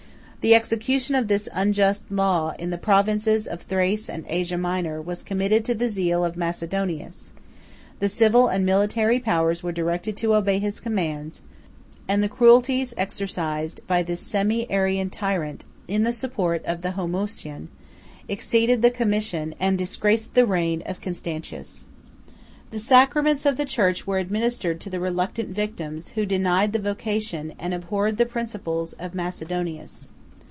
The execution of this unjust law, in the provinces of Thrace and Asia Minor, was committed to the zeal of Macedonius; the civil and military powers were directed to obey his commands; and the cruelties exercised by this Semi Arian tyrant in the support of the Homoiousion, exceeded the commission, and disgraced the reign, of Constantius. The sacraments of the church were administered to the reluctant victims, who denied the vocation, and abhorred the principles, of Macedonius.